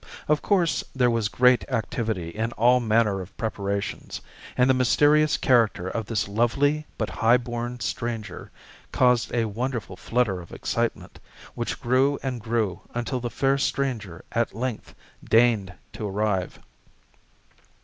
Of course, there was great activity in all manner of preparations; and the mysterious character of this lovely but high born stranger caused a wonderful flutter of excitement, which grew and grew until the fair stranger at length deigned to arrive.